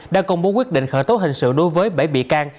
đã công bố quyết định khởi tố hình sự đối với bảy bị can